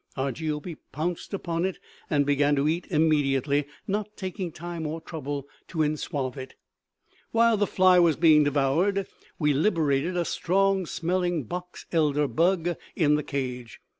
Argiope pounced upon it and began to eat immediately, not taking time or trouble to enswath it. "While the fly was being devoured, we liberated a strong smelling box elder bug in the cage.